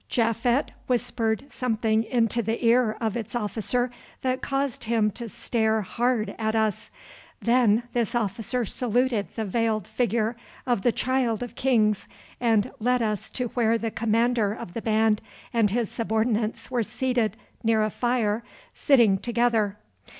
Japhet whispered something into the ear of its officer that caused him to stare hard at us. Then this officer saluted the veiled figure of the Child of Kings and led us to where the commander of the band and his subordinates were seated near a fire sitting together.